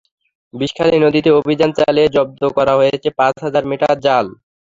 বিষখালী নদীতে অভিযান চালিয়ে জব্দ করা হয়েছে পাঁচ হাজার মিটার জাল।